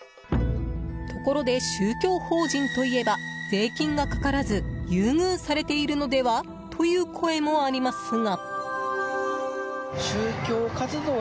ところで、宗教法人といえば税金がかからず優遇されているのではという声もありますが。